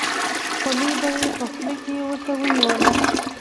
خولۍ به یې په خوله کې ورته ونیوله.